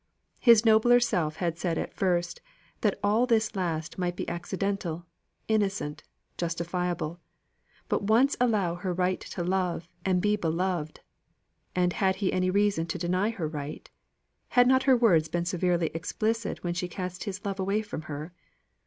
His nobler self had said at first, that all this last might be accidental, innocent, justifiable; but once allow her right to love and be beloved (and had he any reason to deny her right? had not her words been severely explicit when she cast his love away from her?)